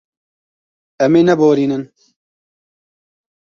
Em ê neborînin.